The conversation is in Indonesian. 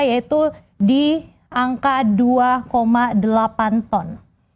yaitu di angka dua delapan ton